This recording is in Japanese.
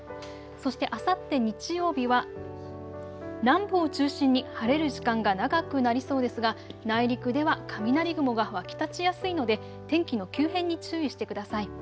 そして、あさって日曜日は南部を中心に晴れる時間が長くなりそうですが内陸では雷雲が湧き立ちやすいので天気の急変に注意してください。